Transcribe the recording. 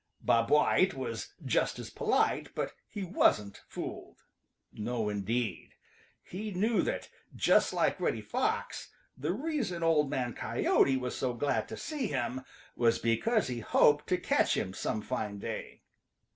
Bob White was just as polite, but he wasn't fooled. No, indeed. He knew that, just like Reddy Fox, the reason Old Man Coyote was so glad to see him was because he hoped to catch him some fine day.